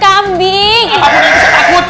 kambing itu takut